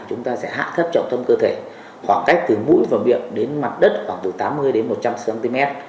chúng ta sẽ hạ thấp trọng tâm cơ thể khoảng cách từ mũi vào miệng đến mặt đất khoảng từ tám mươi đến một trăm linh cm